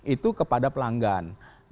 itu kepada pelanggan